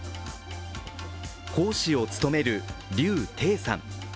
講師を務める劉丁さん。